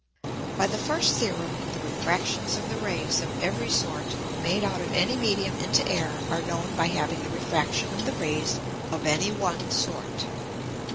By the first Theorem the Refractions of the Rays of every sort made out of any Medium into Air are known by having the Refraction of the Rays of any one sort.